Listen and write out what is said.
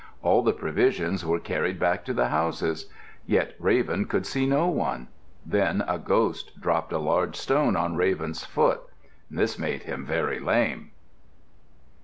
All the provisions were carried back to the houses. Yet Raven could see no one. Then a ghost dropped a large stone on Raven's foot. This made him very lame.